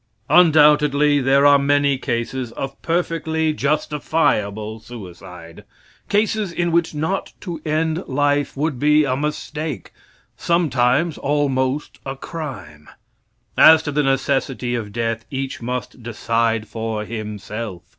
Undoubtedly there are many cases of perfectly justifiable suicide cases in which not to end life would be a mistake, sometimes almost a crime. As to the necessity of death, each must decide for himself.